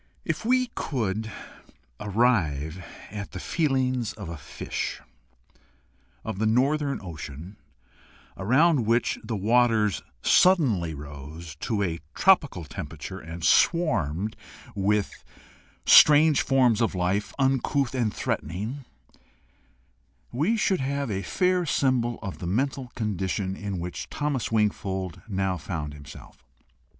If we could arrive at the feelings of a fish of the northern ocean around which the waters suddenly rose to tropical temperature, and swarmed with strange forms of life, uncouth and threatening, we should have a fair symbol of the mental condition in which Thomas Wingfold now found himself.